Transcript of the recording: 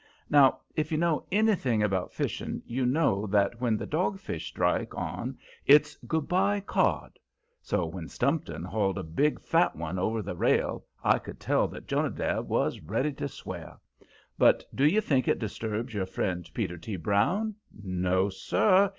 Now, if you know anything about fishing you know that when the dogfish strike on it's "good by, cod!" So when Stumpton hauled a big fat one over the rail I could tell that Jonadab was ready to swear. But do you think it disturbed your old friend, Peter Brown? No, sir!